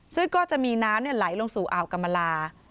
ซึ่งก็จะมีน้ำไหลลงสู่อ่าวกรรมลา